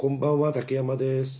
竹山です。